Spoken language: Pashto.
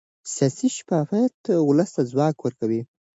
سیاسي شفافیت ولس ته ځواک ورکوي